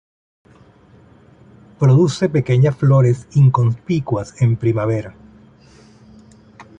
Produce pequeñas flores inconspicuas en primavera.